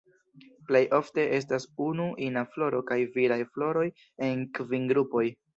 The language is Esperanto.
Plej ofte estas unu ina floro kaj viraj floroj en kvin grupoj.